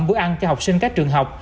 bữa ăn cho học sinh các trường học